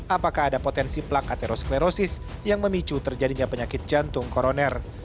apakah ada potensi plak atherosklerosis yang memicu terjadinya penyakit jantung koroner